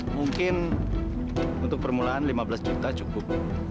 mungkin untuk permulaan lima belas juta cukup